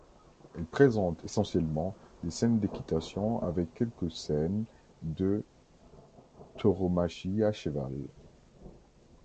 Elle présente essentiellement des scènes d'équitation avec quelques scène de tauromachie à cheval.